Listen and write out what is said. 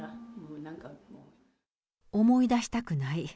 思い出したくない。